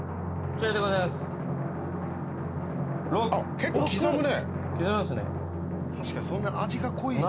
結構刻むね。